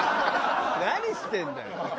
何してるんだよ！